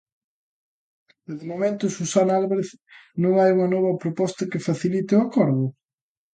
E, de momento, Susana Álvarez, non hai unha nova proposta que facilite o acordo?